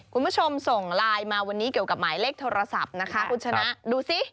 คุณผู้ชมส่งไลน์มาวันนี้เกี่ยวกับหมายเลขโทรศัพท์นะคะคุณชนะดูสิ